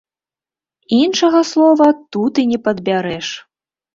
Іншага слова тут і не падбярэш!